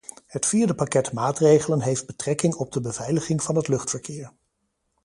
Het vierde pakket maatregelen heeft betrekking op de beveiliging van het luchtverkeer.